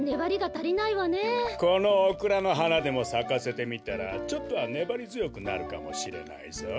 このオクラのはなでもさかせてみたらちょっとはねばりづよくなるかもしれないぞ。